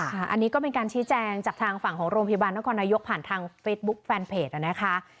อันนี้ก็เป็นการชี้แจงจากทางฝั่งของโรงพยาบาลนครนายกผ่านทางเฟซบุ๊คแฟนเพจนะคะ